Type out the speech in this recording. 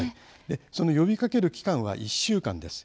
その呼びかける期間は１週間です。